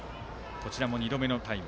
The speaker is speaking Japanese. こちらも２度目のタイム。